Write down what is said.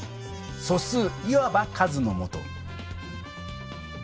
「素数」いわば数のもと。